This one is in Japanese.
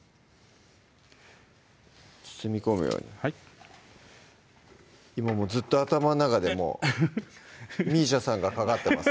包み込むように今もうずっと頭の中でもうＭＩＳＩＡさんがかかってます